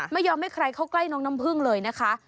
ไม่ยอมให้ใครเข้าใกล้น้องน้ำพึ่งเลยนะคะ